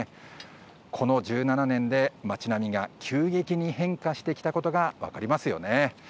この１７年で町並みが急激に変化したことが分かりますよね。